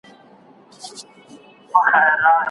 ته ملامت نه یې ګیله من له چا زه هم نه یم